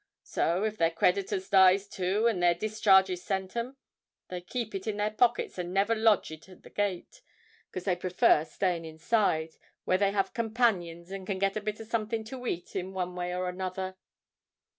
So, if their creditors dies too and their discharge is sent 'em, they keep it in their pockets and never lodge it at the gate—'cos they prefer staying inside, where they have companions and can get a bit of something to eat in one way or another."